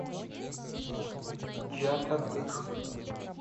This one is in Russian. Слово имеет представитель Новой Зеландии.